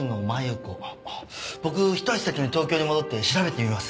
僕ひと足先に東京に戻って調べてみます。